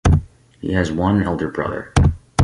He has one elder brother.